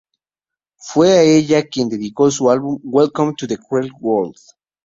Fue a ella a quien dedicó su álbum "Welcome to the cruel world".